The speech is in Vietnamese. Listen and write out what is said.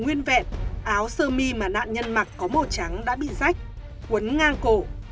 nguyên vẹn áo sơ mi mà nạn nhân mặc có màu trắng đã bị rách cuốn ngang cổ